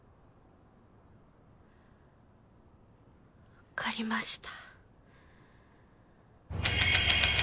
分かりました。